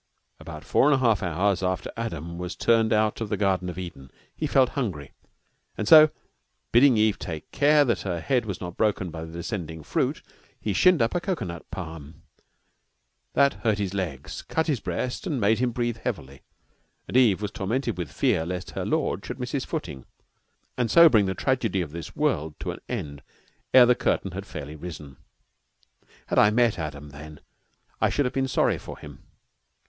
About four and a half hours after Adam was turned out of the Garden of Eden he felt hungry, and so, bidding Eve take care that her head was not broken by the descending fruit, shinned up a cocoanut palm. That hurt his legs, cut his breast, and made him breathe heavily, and Eve was tormented with fear lest her lord should miss his footing, and so bring the tragedy of this world to an end ere the curtain had fairly risen. Had I met Adam then, I should have been sorry for him.